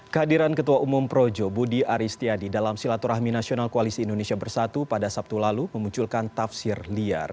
kehadiran ketua umum projo budi aristiadi dalam silaturahmi nasional koalisi indonesia bersatu pada sabtu lalu memunculkan tafsir liar